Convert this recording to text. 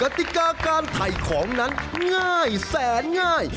ติกาการถ่ายของนั้นง่ายแสนง่าย